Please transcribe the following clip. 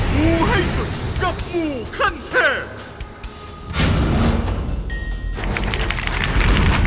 หูให้สุดกับหมู่คนเทพ